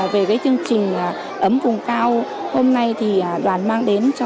về cái chương trình ấm vùng cao hôm nay thì đoàn mang đến cho